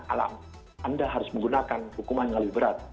alam anda harus menggunakan hukuman yang lebih berat